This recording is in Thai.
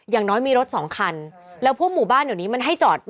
อย่างน้อยมีรถสองคันแล้วพวกหมู่บ้านเดี๋ยวนี้มันให้จอด